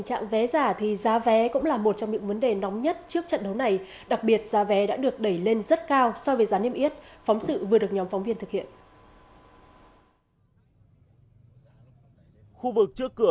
a b giống nhau